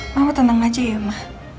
mama tenang aja ya ma